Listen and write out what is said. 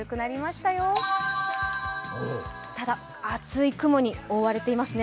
ただ、厚い雲に覆われていますね。